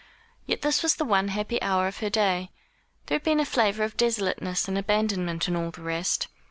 Yet this was the one happy hour of her day. There had been a flavour of desolateness and abandonment in all the rest.